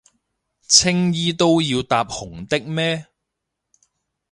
青衣都要搭紅的咩？